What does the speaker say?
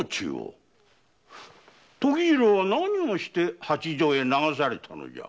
時次郎は何をして八丈へ流されたのじゃ？